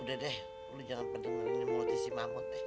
udah deh lu jangan pedengar mulutnya si mamut